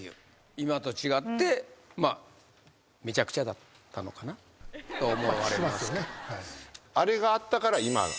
今と違ってまあめちゃくちゃだったのかな？と思われますけど。